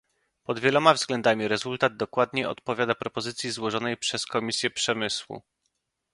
Pod wieloma względami rezultat dokładnie odpowiada propozycji złożonej przez Komisję Przemysłu